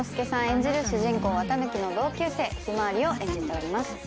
演じる主人公四月一日の同級生ひまわりを演じております